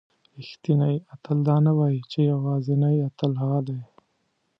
رښتینی اتل دا نه وایي چې یوازینی اتل هغه دی.